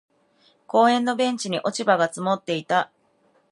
公園のベンチに落ち葉が積もっていた。